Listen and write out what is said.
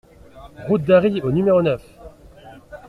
Route d'Arry au numéro neuf